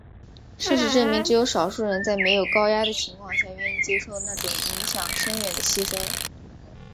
事实证明只有少数人在没有高压的情况下愿意接受那种影响深远的牺牲。